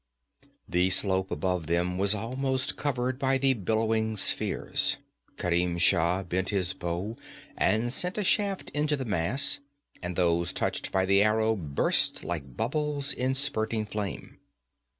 The slope above them was almost covered by the billowing spheres. Kerim Shah bent his bow and sent a shaft into the mass, and those touched by the arrow burst like bubbles in spurting flame.